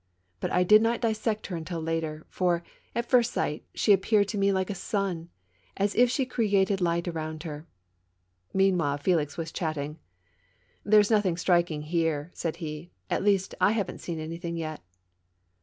But I did not dissect her until later; for, at first sight, she appeared to me like a sun — as if she created light about her. Meanwhile, F^lix was chatting. "There's nothing striking here," said he; "at least, I haven't seen anything yet."